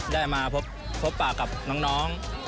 ได้มาพบปากกับน้อง